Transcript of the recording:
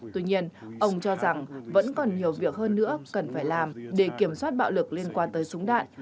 tuy nhiên ông cho rằng vẫn còn nhiều việc hơn nữa cần phải làm để kiểm soát bạo lực liên quan tới súng đạn